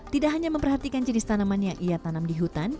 tidak hanya memperhatikan jenis tanaman yang ia tanam di hutan